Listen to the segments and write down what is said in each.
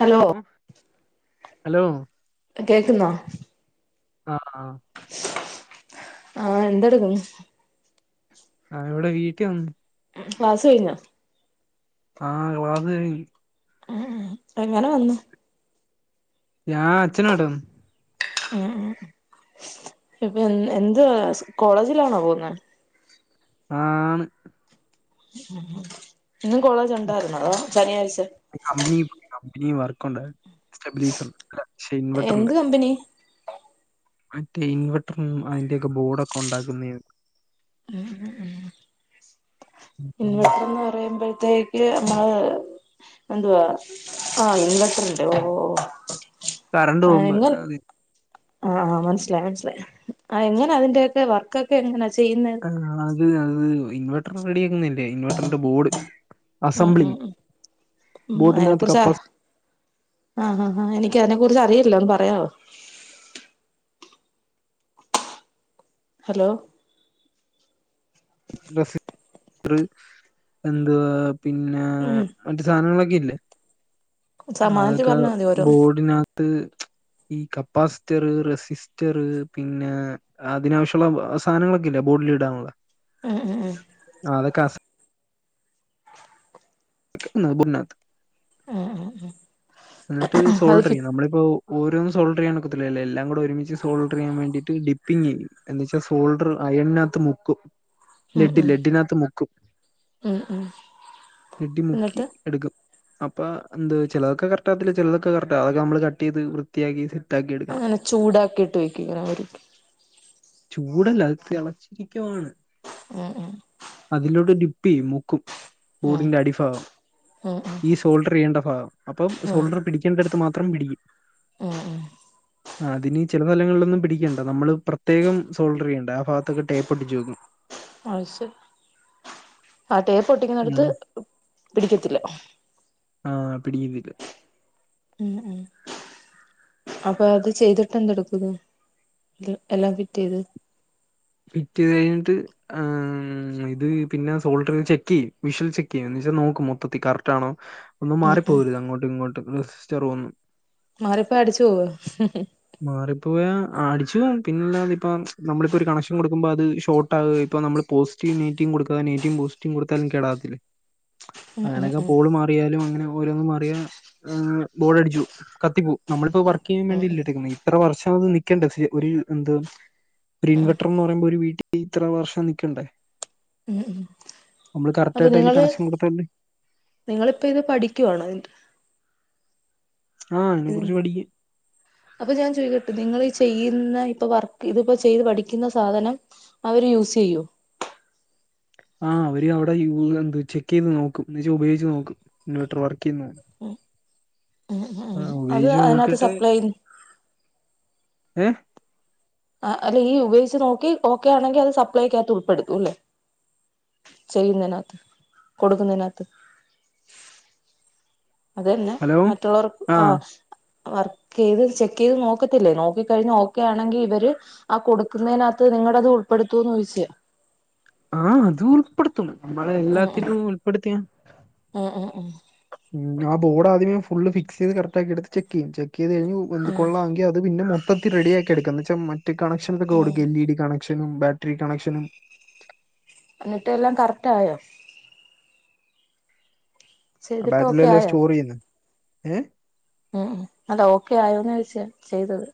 Hello ഉം, hello കേക്കുന്നോ ആ ആ എന്തെടുക്കും ആ ഇവിടെ വീട്ടിൽ വന്ന് ക്ലാസ്സ്‌ കഴിഞ്ഞോ ആ ക്ലാസ്സ്‌ കയിഞ്ഞ് ആ എങ്ങനെ വന്നു ഞാൻ അച്ഛനാട കൂടെ ഇപ്പൊ എ എന്ത് ക്ല കോളേജിലാണോ പോകുന്നത് ആ ഉ ഇന്നും കോളേജ് ഉണ്ടായിരുന്നതോ ശനിയാഴ്ച ഉണ്ടേ സ്റ്റബിലീസണ്ട് അല്ല ഏഹ് എന്ത് കമ്പനി മറ്റേ ഇൻവെർട്ടർ അതിന്റെഓക്കെ ബോർഡൊക്കെ ഉണ്ടാക്കുന്ന ഇൻവെർട്ടർ എന്ന് പറയുമ്പോ അത്തേക്ക് നമ്മള് എന്തുവാ ആ ഇൻവെർട്ടർ ഉണ്ട് ഓ ഓ കറണ്ട് പോകുമ്പോ അത ആ മനസ്സിലായി മനസ്സിലായി ആ എങ്ങനെ അതിൻ്റെക്കെ വർക്കൊക്കെ എങ്ങനെ ആ അത് അത് ഇൻവെർട്ടർ റെഡിയ ആക്കുന്നല്ലേ ഇൻവർ ബോഡ് ഉം അസംബ്ലി ഉം ഉം ബോർഡകത്ത് കപ്പാ ആ ഹാ ആ എനിക്ക് അതിനെ കുറിച്ച് അറിയില്ലോന്ന് പറയാോ ഹലോ ഡ എന്ത്വാ പിന്നെ ഉം മറ്റ സാധനങ്ങളൊക്കെ അല്ലെ സമാധാനത്തിൽ അതൊക്കെ പറഞ്ഞാൽ മതി ഓരോന്ന് ബോർഡിനകത്ത് ഈ കപ്പാസിറ്റർ റെസിസ്റ്റർ പിന്നെ അതിനാവശ്യമുള്ള സാധനങ്ങളൊക്കെ ലബോർഡ ലീഡാണ്ണ ഉം ഉം ഉ ബന്നഥ ആ ആ ആ എന്നിട്ട് സോൾറി നമ്മളിപ്പോ ഓരോന്നും സോൾർ ചെയ്യാൻക്കത്തില്ല എല്ലാം കൂടെ ഒരുമിച്ച് സോൾർ ചെയ്യൻ വേണ്ടിട്ട ഡിപ്പിങ് എാെച്ചാ സോൾഡർ അയണിനാകത്ത് മുക്കും ഉം ലഡ്ഡി ഉം ലഡ്ഡിനകത്ത് മുക്കും ഉം ഉം ലഡ്ഡി മുക്കി എന്നിട്ട് എട്ക്കും അപ്പൊ എന്താച്ചാല് ചിലതൊക്കെ കറക്ട് ആകത്തില്ല ചിലതൊക്കെ കറക്ട് ആകും അതൊക്കെ നമ്മള് കട്ട് ചെയ്ത് വൃത്തിയാക്കിട്ട് അങ്ങനെ ചൂടാക്കിയിട്ട് വെക്കും ഇങ്ങനെ അവര്ക്ക് ചൂടല്ല അത് തെളച്ചിരിക്കുവാണ് ഉം ഉം അതിലൂടൊരു തീ മുക്കും ഉം ബോഡിന്റെ അടിഫാഗം ഉം ഈ ഉം സോൾഡറെയ്യേണ്ട ഫാഗം അ ഉം സോൾഡർ പിടിക്കേണ്ടടുത്ത് മാത്രം പിടിക്കും ഉം ഉം ആഹ് അത്‌നി ചെല തലങ്ങള്ലൊന്നും പിടിക്കെണ്ട നമ്മള് പ്രത്യേകം സോൾഡറെയ്യെണ്ട ആഹ് ഭാഗത്തൊക്കെ ടേപ്പൊട്ടിച്ച് വെക്കും അയ് ശരി ആഹ് ടേപ്പൊട്ടിക്ക്ന്നേട്ത്ത് ഏഹ് ഉം പിടിക്കത്തില്ല ആഹ് പിടിക്കത്തില്ല ഉം ഉം അപ്പൊ അത് ചെയ്തിട്ട് എന്തെട്ക്കുന്നു ഇത് എല്ലാം ഫിറ്റെയ്ത് ഫിറ്റെയ്ത് കഴിഞ്ഞിട്ട് ആഹ് മ് ഇത് പിന്നെ സോൾട്ടർ ചെക്കെയ്യും വിഷ്വൽ ചെക്കെയ്യും എന്നി [unintelligible] നോക്കും മൊത്തത്തി കറക്റ്റാണോ ഒന്നും ഉം ഉം മാറിപ്പോവര്ത് അങ്ങോട്ടും ഇങ്ങോട്ട് [unintelligible] മാറിപ്പോയാ അടിച്ച് പോവോ മാറിപ്പോയാ ആഹ് അടിച്ച് പോവും പിന്നെയില്ലാതിപ്പം നമ്മള്പ്പൊര് കണക്ഷൻ കൊടുക്കുമ്പോ അത് ഷോർട്ടായ് ഇപ്പൊ നമ്മള് പോസറ്റീവും നെഗറ്റീവും കൊടുക്കാ നെഗറ്റീവും പോസറ്റീവും കൊടുത്താൽ കേടാവത്തില്ലെ ഉം ഉം ഉം അങ്ങനെക്കെ പോള് ഉം മാറിയാലും അങ്ങനാവും ഓരോന്നും മാറിയാ ഏഹ് ബോഡ് അടിച്ച് പോവും കത്തിപ്പോവും നമ്മള്പ്പോ വർക്കെയ്യാൻ വേണ്ടിയല്ലെ ഉം ഇത്ര വർഷമത് നിക്കണ്ടെ സീ ഒര് എന്ത് ഒരു ഇൻവെർട്ടർന്ന് പറിയുമ്പൊര് വീട്ടില് ഇത്ര വർഷം നിക്കണ്ടേ ഉം ഉം നമ്മള് അപ്പൊ കറക്റ്റായിട്ട് അതില് നിങ്ങള് കണക്ഷൻ കൊടുത്താല് നിങ്ങള്പ്പോ ഇത് പഠിക്കുവാണോ ന്ന്ട്ട് ആഹ് അതിനെ ഉം കുറിച്ച് പഠിക്കും. അപ്പൊ ഞാൻ ചോയിക്കട്ട് നിങ്ങള് ഈ ചെയ്യുന്ന ഇപ്പ വർക്ക് ഇത്പ്പൊ ചെയ്ത് പഠിക്കുന്ന സാധനം അവര് യൂസെയ്യൊ ആഹ് അവര് അവിടെയൂ എന്ത് ചെക്കെയ്ത് നോക്കും എന്നച്ചാ ഉപയോഗിച്ച് നോക്കും ഇൻവേർട്ടർ വർക്കെയ്ന്നോ ഉം ഉം ഉം ഉം ഉം അത് ഉപയോഗിച്ച് അതിനകത്ത് സപ്ലൈ ചെയ്യുന്നു ഉം ആ അല്ലെ ഈ ഉപയോഗിച്ച് നോക്കി ഓക്കെ ആണെങ്കിൽ അത് സപ്ലൈ ഒക്കകത്ത് ഉൾപ്പെടുത്തും അല്ലെ ചെയ്യുന്നതിനകത്ത് കൊടുക്കുന്നതിനകത്ത് അതല്ല ഹലോ മറ്റുള്ളവർക്ക് ആഹ് വർക്ക് ചെയ്ത് ചെക്ക് ചെയ്ത് നോക്കത്തില്ലേ നോക്കി കഴിഞ്ഞ് ഓക്കെ ആണെങ്കി ഇവര് ആ കൊടുക്കുന്നെനക ഇത് നിങ്ങടേത് ഉൾപ്പെടുത്തൂന്നോയ്ച്ച് ആ അത് ഉൾപ്പെടുത്തും നമ്മളെ എല്ലാത്തിനും ഉൾപ്പെടുത്തിയ ഏഹ് ഏഹ് ഉം ഉം ആ ബോർഡ് ആദ്യമെ ഫുള്ള് ഫിക്സ്യ്ത് കറക്റ്റാക്കി എട്ത്ത് ചെക്ക്യ്യ് ചെ ഉം [unintelligible] ഉം കൊള്ളാമെങ്കിൽ അത് പിന്നെ മൊത്തത്തി റെഡിയാക്കി എടുക്കാന്ന് വച്ചാ മറ്റ് കണക്ഷൻസൊക്കെ ഉം കൊടുക്കി എൽ ഇ ഡി കണക് ക്ഷനും ബാറ്ററി കണക്ഷനും എന്നിട്ട് എല്ലാം കറക്റ്റ് ആയോ ആ ചെയ്തിട്ട് ബാറ്റില് ഓക്കെ എല്ലാ ആയോ സ്റ്റോർ ചെയ്യുന്നേ ഏഹ് ഉം അല്ല ഓക്കെ ആയോന്നോ ചേയ്ച്ചെ ചെയ്തത്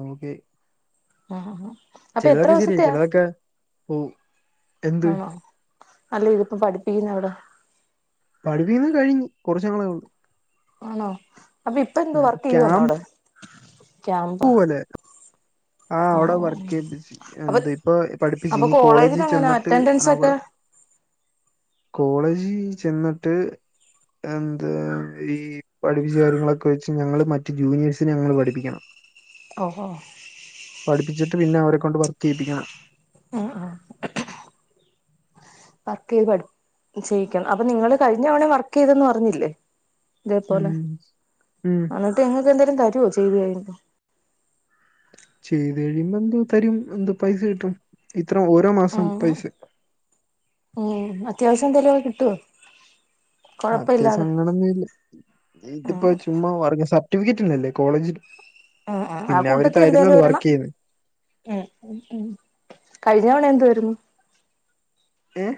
നമുക്ക് ആ ആ അപ്പൊ എത്ര ചിലതൊക്കെ ശെരിയ ദിവസത്തെയാ ചിലതൊക്കെ പോവും ആണോ അല്ല ഇതിപ്പം പഠിപ്പിക്കുന്നു എവിടെ പഠിപ്പിക്ക്ന്നെ കഴിഞ്ഞ് കൊറച്ച് നാളെ ഒള്ളു ആണോ അപ്പം ഇപ്പോ ഏന്തോ വർക്ക് ചെയ്യും വണോ ക്യാമ്പ് അവിടെ ക്യാമ്പ് പോലെ ആ അവിടെ ആഹ് വർക്ക് ആഹ് ചെയ്യിപ്പിച്ച് അപ്പം എന്ത് ഇപ്പൊ പഠിപ്പിച്ച് അപ്പൊ ഇനി കോളേജിൽ കോളേജിലെ എങ്ങനെ ചെന്നിട്ട് അറ്റൻഡൻസ് ഒക്കെ കോളേജ് ചെന്നിട്ട് എന്ത് ഈ പഠിപ്പിച്ച കാര്യങ്ങളൊക്കെ വെച്ച് ഞങ്ങള് മറ്റു ജൂനിയെയ്സിനെ ഞങ്ങള് പഠിപ്പിക്കണം ഓഹോ പഠിപ്പിച്ചിട്ട് പിന്നെ അവരെ കൊണ്ട് വർക്ക് ചെയ്യിപ്പിക്കണം ആ ഹ് ആഹ് വർക്ക് ചെയ്യ് പഠി ചെയ്യിക്കണം അപ്പൊ നിങ്ങള് കഴിഞ്ഞതവണയും വർക്ക് ചെയ്തന്ന് പറഞ്ഞില്ലേ ഇതേപോലെ ഉം ഉം അന്നിട്ട് നിങ്ങക്ക് എന്തേലു തരൊ- ഓഹ് ചെയ്ത് കഴിഞ്ഞിട്ട് ചെയ്ത് കഴിയുമ്പ എന്തോ തരും എന്തോ പൈസ കിട്ടും ഇത്ര ഓരോ മാസം ഉം പൈസ- എന്തെലോക്കെ കിട്ടുവോ കൊഴപ്പ ഇല്ലാതെ അത്യാവശ്യങ്ങനൊന്നുല്ല ഉം ഇതിപ്പോ ചുമ്മാ വർഗ സ ർട്ടിഫിക്കറ്റ് [unintelligible] നല്ലെ കോളേജ് അ ഹ് ആഹ് ആ കൂട്ടത്തിയെന്തേലും ഒരെണ്ണം ചെയ്യുന്നത് മ് കഴിഞ്ഞ തവണ എന്ത്‌വായിരുന്നു ഏഹ്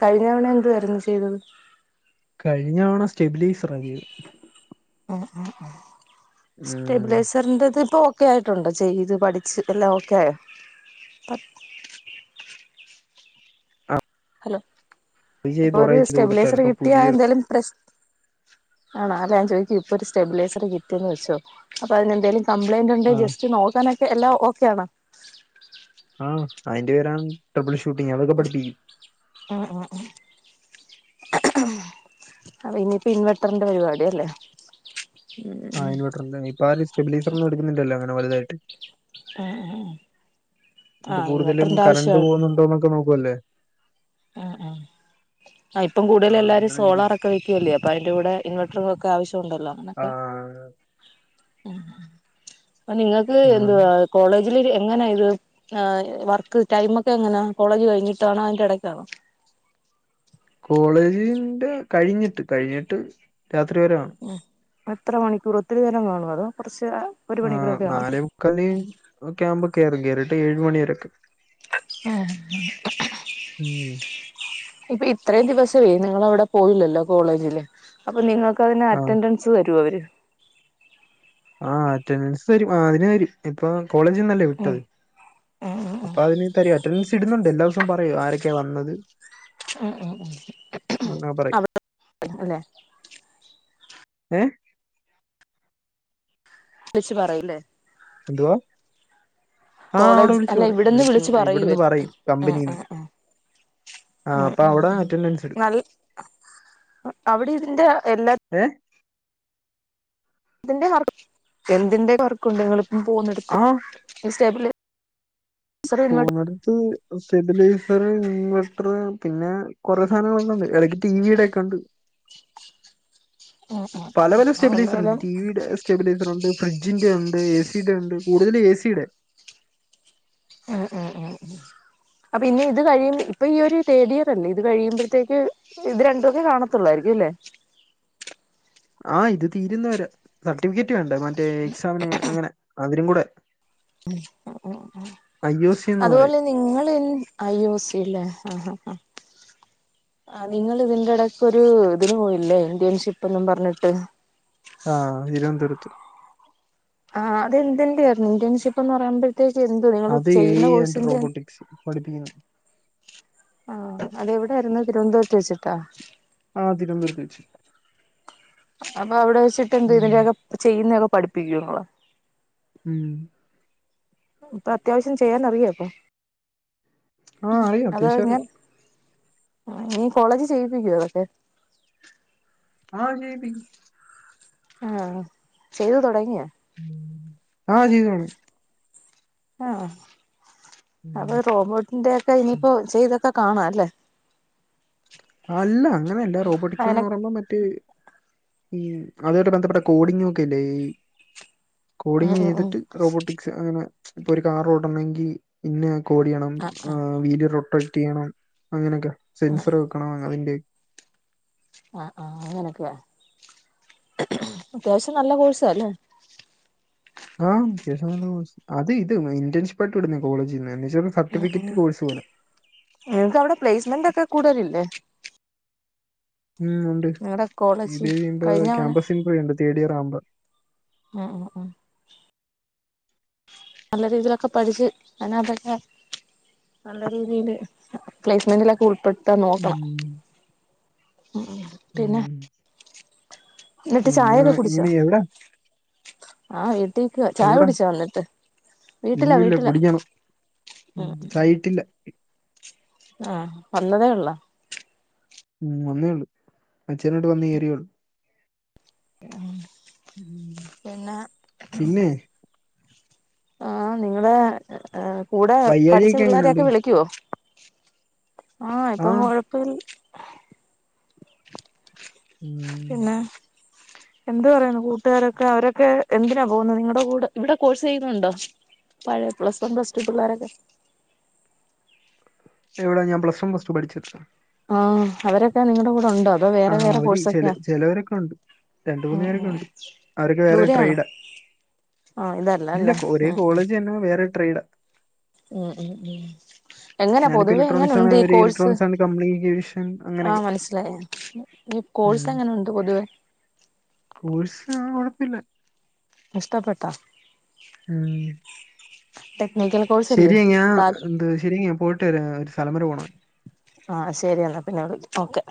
കഴിഞ്ഞ തവണ എന്ത് വാര്ന്നു ചെയ്തത് കഴിഞ്ഞ തവണ സ്റ്റെബിലൈസർ ആയിരുന്നു ആഹ് ആഹ് ആഹ് ഉം സ്റ്റബിലൈസറിന്റെത് ഇപ്പൊ- ഒക്കെ ആയിട്ടുണ്ട് ചെയ്ത് പഠിച്ച് എല്ലാം ഓക്കെ ആയോ [inaudible] അത് ഇപ്പം ചെയ്ത് അപ്പൊ കൊറേ ഒരു ചെയ്ത് സ്റ്റെബിലൈസർ കൊടുത്തായിരുന്നു ഇപ്പൊ കിട്ടിയാ പുതിയത് എന്തേലും പ്രശ് ആണോ അല്ല ഞാൻ ചോയിക്ക് ഇപ്പൊ ഒരു സ്റ്റെബിലൈസർ കിട്ടിയന്ന് വെച്ചോ അപ്പൊ അതിനെന്തേലും- കംപ്ലൈയിന്റ് ഒണ്ടേ ആഹ് ജസ്റ്റ് നോക്കാനൊക്കെ എല്ലാം ഓക്കെ യാണോ ആഹ് അതിന്റെ പേരാണ് ട്രിപ്പിൾ ഷൂട്ടിംഗ് അതൊക്കെ പഠിപ്പിക്കും ആ ഹ് ആഹ് ആഹ് അപ്പ ഇന്ന്യിപ്പ ഇൻവെട്ടറിന്റെ പരിവാടി അല്ലേ ഉം ഉം ആ ഇൻവെർട്ടറിന്റെ ഇപ്പ ആര് സ്റ്റെബിലൈസർ ഒന്നു എട്ക്ക്ന്ന് ല്ലല്ലോ അങ്ങനെ വലുതായിട്ട് ഉം ഉം ഉം ഇപ്പൊ ആ കൂടുതലും ഇൻവെർട്ടറിന്റെ കരന്റ് പോണു ണ്ടോന്നൊക്കെ നോക്കുവല്ലേ? ഏഹ് ഏഹ് ആ ഇപ്പം കൂടലു ആഹ് എല്ലാര് അങ്ങനെ എടുക്കും സോളാറൊക്കെ വെക്കുല്ലേ അപ്പ അയിന്റെ കൂടെ ഇൻവെട്ടറു വെക്കു ക്ക ആവശ്യം ഉണ്ടല്ലോ അങ്ങനൊക്കെ ആഹ് ഉം നിങ്ങൾക്ക് ആണ്. എന്തുവാ കോളേ ഇല്ലെടി എങ്ങനാ ഇത്. ആഹ് വർക്ക് ടൈം ഒക്കെ എങ്ങനെ? കോളജ് കഴിഞ്ഞിട്ടാണോ അയിന്റെട [unintelligible] കോളേജിന്റെ കഴിഞ്ഞിട്ട് കഴിഞ്ഞിട്ട് രാത്രി വരെ കാണു. എത്ര മണിക്കൂറ്? ഒത്തിരി നേരം കാണു. അതോ കൊറച്ച് ആഹ് നാലെമുക്കാലിന് ഒക്കെ ആവ്മ്പ കേറും കേറീട്ട് ഏഴ് മണിവരെക്കെ. ആഹ് ഉം. ഇപ്പ ഇത്രയും ദിവസം ത്തേ നിങ്ങളവിടെ പോയില്ലല്ലോ കോളേജില്? അപ്പൊ നിങ്ങൾക്ക് അതിന് ആഹ് അറ്റൻഡൻസ് തരോ? അവര്. ആഹ് അറ്റൻഡൻസ് തരും. ആഹ് അതിനരും ഇപ്പൊ കോളേജിന്നല്ലേ ഉം വിട്ടത്. ഉം ഉം അപ്പൊ അതിന് തരു അറ്റൻഡൻസ് ഇട്ന്നുണ്ട്. എല്ലാവസ ഇപ്പം പറയു ആരൊക്കെ വന്നത്. ഉം ഉം ഉം അങ്ങനെ പറയും. അവിടെ ഇണ്ട്ല്ലെ ഏഹ് വിളിച്ചു പറയില്ലേ? എന്തുവാ? ആഹ് അവിടെ കോളേജ് വിളിച്ചു അല്ല പറയും. ഇവിടുന്ന് വിളിച്ചു പറയൂ ഇവിടുന്ന് പറയും. ഉം കമ്പനീന്ന്, ഉം ഉം ആഹ് ഉം അപ്പ ഉം അവിടെ ഉം അറ്റൻഡൻസ് ഇട് നല്ല [inaudible] അവിടെ ഇതിന്റെ എല്ലാ ഇതിൻ്റെ വർ [inaudible] എന്തിൻ്റെ വർക്കുണ്ട് നിങ്ങളിപ്പം പോവുന്നിടത്ത്? ആഹ് ഈ സ്റ്റെബിലെ പോവുന്നടത്ത് സ്റ്റബിലൈസറ്, ഇൻവെ വെട്ടറ് പിന്നെ കൊറെ സാനങ്ങള്ളത് ഏതെക്കെ ടിവിയിടെക്കെ ഇണ്ട് ഉം ഉം ഉം പല പല അത് സ്റ്റേബിലൈസർ ഉണ്ട്, എന്തായാലും ടി വിയുടെ സ്റ്റേബിലൈസർ ഉണ്ട്, ഫ്രിഡ്ജിന്റെ ഉണ്ട്. എ സിടെ ഉണ്ട്, കൂടുതൽ എ സിടെ. മ് മ് മ് മ് അപ്പ ഇനി ഇത് കഴിയും ഇപ്പ ഈ ഒരു തേഡ് ഇയർല്ലേ, ഇത് കഴിയുമ്പോഴത്തേക്ക് ഇത് രണ്ടു മൊക്കെ കാണത്തുള്ളായിരിക്കും. ഇല്ലേ? ആഹ് ഇത് തീരുന്നവരെ, സർട്ടിഫിക്കറ്റ് വേണ്ടേ മറ്റേ എക്സാമിന് അങ്ങനെ അവരും കൂടെ. മ് ആഹ് ആഹ് ആഹ് ഐ ഒ സി എന്ന് പറയും അതുപോലെ നിങ്ങള് ല് [unintelligible] ആഹ് ഹ ഹ ആ നിങ്ങൾ ഇതിൻ്റെ എടക്കൊരു ഇതിന് പോയില്ലേ? ഇന്ത്യൻഷിപ്പ്ന്നും പറഞ്ഞിട്ട്. ആഹ് തിരുവനന്തപുരത്ത്. ആഹ് അതെന്തിൻ്റെയായിരുന്നു ഇന്റേൺഷിപ്പ് എന്ന് പറയണത്. പ്രത്യേകിച്ച് എന്ത്‌ നിങ്ങൾ അത് എ ഐ ചെയ്യുന്ന ആൻഡ് കോഴ്സിൻ്റെ റോബോട്ടിക്സ് പഠിപ്പിക്കുന്നു ആഹ് അതെവിടൊയിരുന്നു തിരുവനന്തപുരത്ത് വെച്ചിട്ടാ? ആ തിരുവനന്തപുരത്ത് വെച്ച്. അപ്പ അവിടെ വെച്ചിട്ട് എന്ത് ഉം. ഇതിൻ്റൊക്കെ ചെയ്യുന്നൊക്കെ പഠിപ്പിക്കോ? മ് ഇപ്പ അത്യാവശ്യം ചെയ്യാൻ അറിയോ ഇപ്പ? ആഹ് അറിയും, അത്യവശ്യം അറിയും. ആഹ് നീ കോളേജിൽ ചെയ്യിപ്പിക്കുവോ അതൊക്കെ? ആ ചെയ്പ്പിക്കും. ആഹ് ചെയ്തു തൊടങ്ങിയോ? ആ ചെയ്ത് തൊടങ്ങി. ആ അപ്പോ റോബോർട്ടിന്റെ ഒക്കെ ഇനിപ്പോ ചെയ്തൊക്ക കാണാല്ലേ? അല്ല അങ്ങനെയല്ല, റോബോട്ടിക്സ്ന്ന് പറയുമ്പോ മറ്റേ ഉം അതുമായി ബന്ധപ്പെട്ട കോഡിങൊക്കെല്ലേ ഈ ഉം ഉം ഉം കോഡിങ്ങെയ്തിട്ട് റോബോട്ടിക്സ് അങ്ങനെ ഇപ്പൊ ഒരു കാർ ഓടണെങ്കി ഇന്ന കോഡെയ്യണം ആഹ് ആഹ് വീഡിയോ റൊട്ടക്ട്റ്റെയ്യണം അങ്ങനൊക്കെ ഉം സെൻസർ ഉം ന്റെ [unintelligible] ആഹ് ആഹ് അങ്ങനൊക്കെയ അത്യാവശ്യം നല്ല കോഴ്സാല്ലേ ആഹ് വിത് അത് ഇത് ഇന്റൺഷിപ്പ് യായിട്ട് വിടുന്നായ കോളേജിന്ന് ഉം നിനക്ക് അവിടെ പ്ലേസ്മെന്റ് ഒക്കെ കൂടുതലില്ലേ ഉം ഉണ്ട് നിങ്ങടെ കോളേജ് ഇത് കഴിയുമ്പോ കഴിഞ്ഞ തവണ ക്യാമ്പസ് ഇന്റർവ്യു ഉണ്ട് തേർഡ് ഇയർ ആവുമ്പോ ഉം ഉം നല്ല രീതിയിലൊക്കെ പഠച്ചു അതിനാത്ത് - നല്ല രീതിയില് പ്ലേസ്മെന്റിലൊക്കെ ഉൾപ്പെടുത്താൻ നോക്കണം ഉം ഉം ഉം പിന്നെ ഉം എന്നിട്ട് പിന്നെ ചായയൊക്കെ കുടിച്ചാ ഇങ്ങനെ എവിടാ ആഹ് എടു ട്ടീക്ക് ചായ എവിടാ കുടിച്ചോ വന്നിട്ട് വീട്ടിലാ ഇല്ലില്ല വീട്ടിലാ കുടിക്കണം ഉം ചായയിട്ടില്ല ആഹ് വന്നതേ ഉള്ളോ ഉം വന്നേള്ളു അച്ചൻ ഇങ്ങോട്ട് വന്ന് കെയറയേള്ളു ഉം ഉം. പിന്നെ പിന്നെ ആഹ് നിങ്ങടെകൂടെ പഠിച്ച വയ്യാഴിയൊക്കെ എങ്ങനെയുണ്ട് പിള്ളാരെയൊക്കെ വിളിക്കുവോ ആഹ് ഇപ്പൊ കൊഴപ്പില്ല ഉം പിന്നെ എന്ത്തു പറയുന്നു കൂട്ടുകാരൊക്കെ അവരൊക്കെ എന്തിനാ പോകുന്നത് നിങ്ങളടെ കൂടെ ഇവിടെ കോഴ്സ് ചെയ്യുന്നുണ്ടോ പഴയ പ്ലസ് വൺ പ്ലസ് ടു പിള്ളേരൊക്കെ- എവിടെ ഞാൻ പ്ലസ് വൺ പ്ലസ്ടു പഠിച്ചെടുത്ത ആഹ് അവരൊക്കെ നിങ്ങടെ കൂട ആഹ് അവധി ചില ചിലവരൊക്കെ ഉണ്ട് രണ്ട്മൂന്ന് ഉം ഉം പേരൊക്കെണ്ട് അവരോക്കെ വേറെ ദൂരെയാണോ ട്രൈഡാ ആഹ് ഇതല്ല ഇല്ല അല്ലേ ഒരേ ഉം ഉം കോളേജ് തന്നെ വേറെ ട്രൈഡാ ഉം ഉം ഉം എങ്ങനാ ഞാനിപ്പോ പൊതുവെ ഇലക്ട്രോണിക്സ് ആണ് എങ്ങനുണ്ട് ഈ അവര് കോഴ്സ് ഇലക്ട്രോണിക്സ് ആണ് കമ്മ്യൂണിക്കേഷൻ ആഹ് അങ്ങനെയൊക്കെ മനസിലായ ഈ കോഴ്സ് എങ്ങനുണ്ട് പൊതുവേ കോഴ്സ് കുഴപ്പമില്ല ഇഷ്ടപ്പെട്ടാ ഉം. ടെക്നിക്കൽ കോഴ്സല്ലേ ശരി ഞാൻ താൽ എന്ത് ശരി ഞാ പോയിട്ട് വരാം ഒരു സ്ഥല വരെ പോണം ആഹ്ശരി എന്നാ പിന്നെ വിളി ഓക്കെ